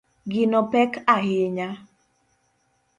Gino pek ahinya